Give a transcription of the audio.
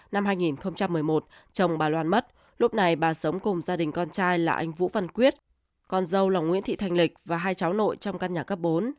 năm hai nghìn một mươi một chồng bà loan mất lúc này bà sống cùng gia đình con trai là anh vũ văn quyết con dâu là nguyễn thị thanh lịch và hai cháu nội trong căn nhà cấp bốn